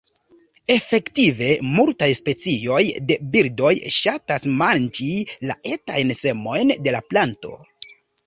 Efektive, multaj specioj de birdoj ŝatas manĝi la etajn semojn de la planto.